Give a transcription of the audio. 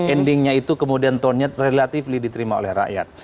endingnya itu kemudian tonnya relatively diterima oleh rakyat